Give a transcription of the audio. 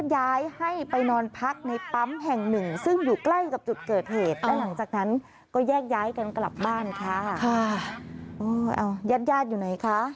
ยาดอยู่ไหนคะเห็นภาพแล้วนะ